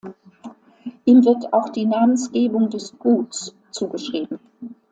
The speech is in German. Ihm wird auch die Namensgebung des Guts zugeschrieben.